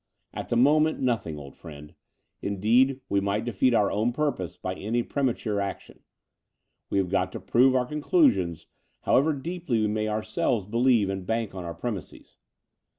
"At the moment nothing, old friend. Indeed we might defeat our own purpose by any pre mature action. We have got to prove our con clusions, however deeply we may ourselves believe and bank on our premises.